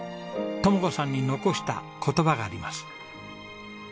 智子さんに残した言葉があります。